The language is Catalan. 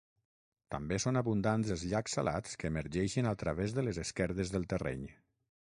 També són abundants els llacs salats que emergeixen a través de les esquerdes del terreny.